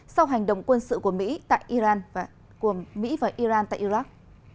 sau hành động quân sự của mỹ và iran tại iraq